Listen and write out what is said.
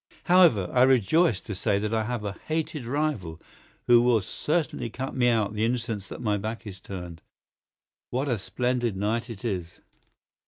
However, I rejoice to say that I have a hated rival who will certainly cut me out the instant that my back is turned. What a splendid night it is!"